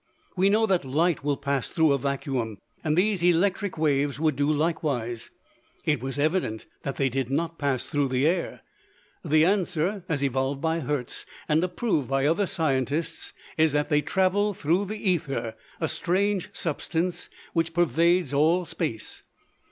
We know that light will pass through a vacuum, and these electric waves would do likewise. It was evident that they did not pass through the air. The answer, as evolved by Hertz and approved by other scientists, is that they travel through the ether, a strange substance which pervades all space.